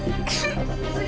ibu ibu harus kuat ibu